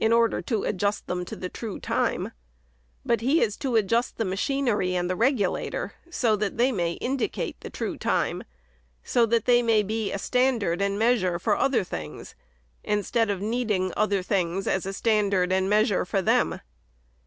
421 order to adjust them to the true time : hut he is to adjust the machinery and the regulator, so that they may indi cate the true time ; so that they may be a standard and measure for other things, instead of needing other things as a standard and measure for them.